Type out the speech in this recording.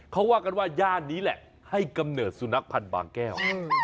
เขาว่ากันว่าย่านนี้แหละให้กำเนิดสุนัขพันธ์บางแก้ว